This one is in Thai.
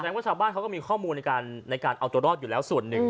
ว่าชาวบ้านเขาก็มีข้อมูลในการเอาตัวรอดอยู่แล้วส่วนหนึ่ง